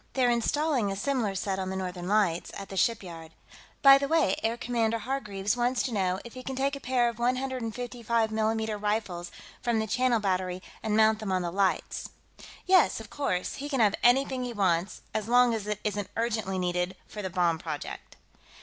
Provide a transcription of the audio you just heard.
They're installing a similar set on the Northern Lights at the shipyard. By the way, Air Commodore Hargreaves wants to know if he can take a pair of 155 mm rifles from the Channel Battery and mount them on the Lights." "Yes, of course, he can have anything he wants, as long as it isn't urgently needed for the bomb project."